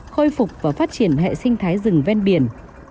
khôi phục và phát triển hệ sinh thái rừng ven biển